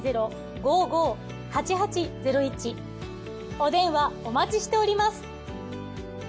お電話お待ちしております。